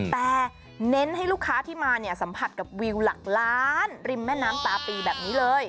แต่เน้นให้ลูกค้าที่มาเนี่ยสัมผัสกับวิวหลักล้านริมแม่น้ำตาปีแบบนี้เลย